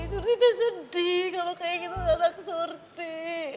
surti teh sedih kalau kayak gitu anak surti